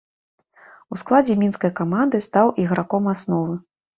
У складзе мінскай каманды стаў іграком асновы.